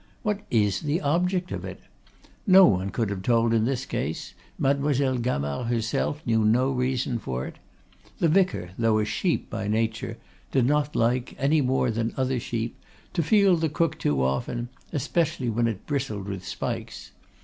what is the object of it? No one could have told in this case; Mademoiselle Gamard herself knew no reason for it. The vicar, though a sheep by nature, did not like, any more than other sheep, to feel the crook too often, especially when it bristled with spikes.